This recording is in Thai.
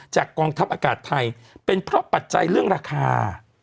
กองทัพอากาศไทยเป็นเพราะปัจจัยเรื่องราคา